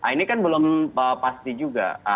ini kan belum pasti juga